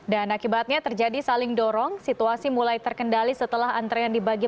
dan akibatnya terjadi saling dorong situasi mulai terkendali setelah antrean dibagi